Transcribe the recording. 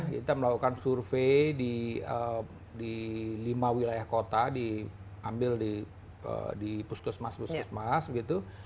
kita melakukan survei di lima wilayah kota di ambil di puskesmas puskesmas gitu